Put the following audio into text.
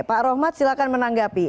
pak rohmat silahkan menanggapi